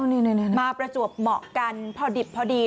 นี่มาประจวบเหมาะกันพอดิบพอดี